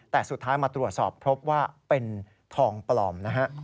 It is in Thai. แต่สุดท้ายมาตรวจสอบพบว่าเป็นทองปลอมนะฮะ